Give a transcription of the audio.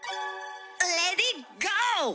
レディーゴー！